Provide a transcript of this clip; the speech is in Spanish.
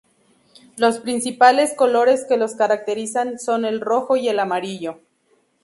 Los principales colores que los caracterizan son el rojo y el amarillo.